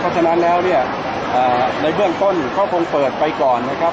เพราะฉะนั้นแล้วเนี่ยในเบื้องต้นเขาคงเปิดไปก่อนนะครับ